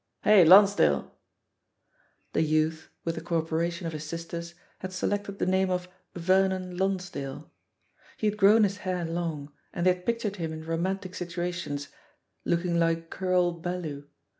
Hi, Lonsdale I" The youth, with the co operation of his sisters, had selected the name of "Vernon Lonsdale." He had grown his hair long, and they had pictured him in romantic situations, looking like Kyrle Bellew.